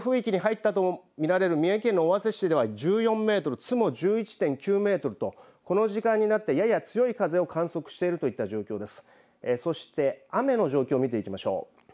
やはり暴風域に入ったと見られる三重県の尾鷲市では１４メートル津も１１．９メートルとこの時間になってやや強い風を観測しているといった状況です。